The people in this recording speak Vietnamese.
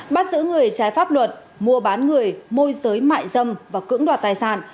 bắt giữ người trái pháp luật mua bán người môi giới mại dâm và cưỡng đoạt tài sản